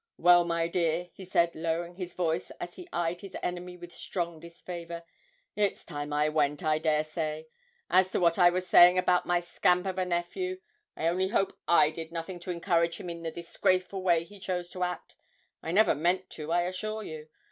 'Well, my dear,' he said, lowering his voice as he eyed his enemy with strong disfavour, 'it's time I went, I dare say. As to what I was saying about my scamp of a nephew I only hope I did nothing to encourage him in the disgraceful way he chose to act; I never meant to, I assure you.